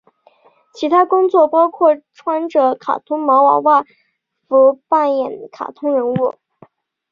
其他工作包括穿着卡通毛娃娃服扮演卡通人物。